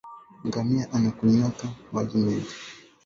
Ngamia anakunywaka mayi mingi